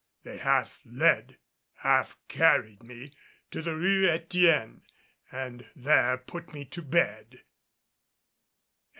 They half led, half carried me, to the Rue Etienne and there put me to bed.